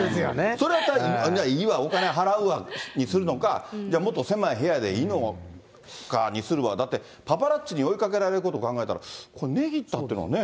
それやったらいいわ、お金払うわにするのか、もっと狭い部屋でいいのかにするのか、だって、パパラッチに追いかけられることを考えたら、これ、値切ったっていうのはね。